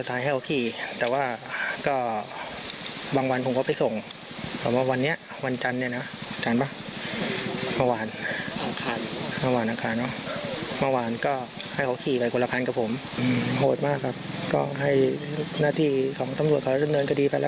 ได้หน้าที่ของตังรวจขาวด้านเนินก็ดีไปแล้วกันผมก็ต้องทำงานดูแลลูก